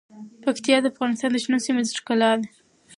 پکتیا د افغانستان د شنو سیمو ښکلا ده.